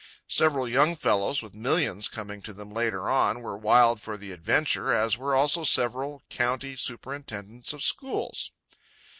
Several young fellows, with millions coming to them later on, were wild for the adventure, as were also several county superintendents of schools.